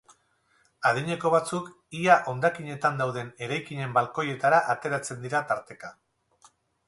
Adineko batzuk ia hondakinetan dauden eraikinen balkoietara ateratzen dira tarteka.